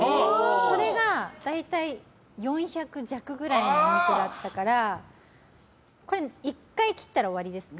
それが大体４００弱くらいのお肉だったから１回切ったら終わりですか。